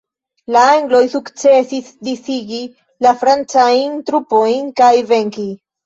La angloj sukcesis disigi la francajn trupojn kaj venki.